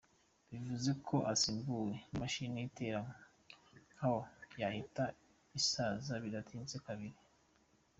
Bivuze ko usimbuwe n’imashini itera nkawo yahita isaza bidateye kabiri.